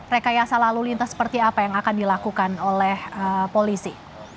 rekayasa lalu lintas seperti apa yang akan dilakukan oleh polisi